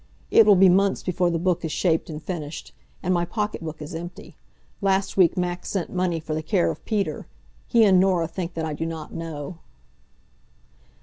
It will be months before the book is shaped and finished. And my pocketbook is empty. Last week Max sent money for the care of Peter. He and Norah think that I do not know.